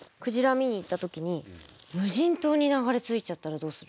見に行った時に無人島に流れ着いちゃったらどうする？